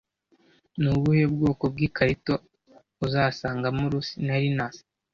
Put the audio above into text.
Ni ubuhe bwoko bw'ikarito uzasangamo Lucy na Linus?